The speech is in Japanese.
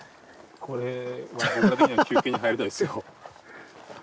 これは僕ら的には休憩に入りたいですよ。